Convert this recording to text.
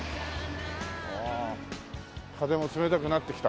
ああ風も冷たくなってきた。